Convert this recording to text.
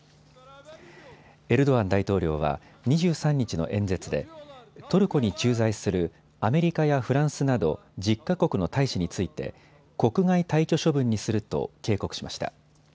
エルドアン大統領は２３日の演説でトルコに駐在するアメリカやフランスなど１０か国の大使について国外退去処分にすると警告しました。